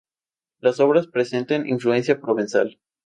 Las obras presenten influencia provenzal.